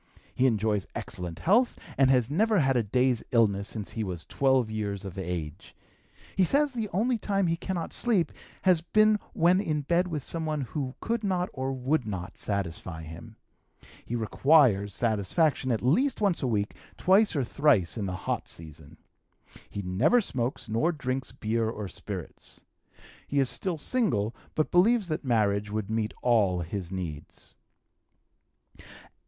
He enjoys excellent health, and has never had a day's illness since he was 12 years of age. He says the only time he cannot sleep has been when in bed with some one who could not or would not satisfy him. He requires satisfaction at least once a week, twice or thrice in the hot season. He never smokes, nor drinks beer or spirits. He is still single, but believes that marriage would meet all his needs.